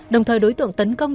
đồng thời đối tượng tấn công